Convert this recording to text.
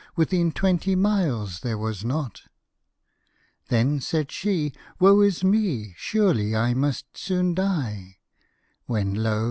Within twenty miles there was not Then said she, " Woe is me ! Surely I must soon die," When lo